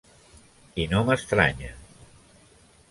I no m'estranya.